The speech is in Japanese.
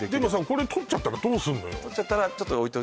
これ取っちゃったらどうすんのよ？